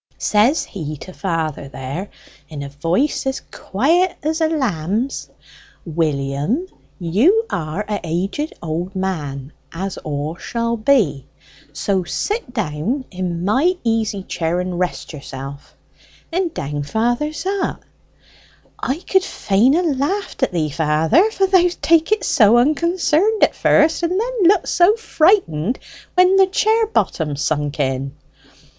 Says he to father there, in a voice as quiet as a lamb's, 'William, you are a' old aged man, as all shall be, so sit down in my easy chair, and rest yourself.' And down father zot. I could fain ha' laughed at thee, father; for thou'st take it so unconcerned at first, and then looked so frightened when the chair bottom sunk in."